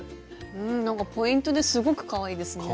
うんなんかポイントですごくかわいいですね。